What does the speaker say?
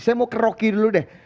saya mau ke rocky dulu deh